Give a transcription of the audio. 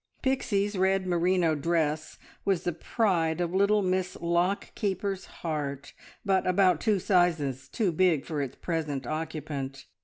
Pixie's red merino dress was the pride of little Miss Lock keeper's heart, but about two sizes too big for its present occupant.